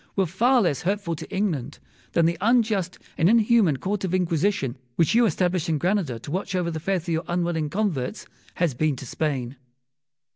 were far less hurtful to England than the unjust and inhuman Court of Inquisition, which you established in Granada to watch over the faith of your unwilling converts, has been to Spain.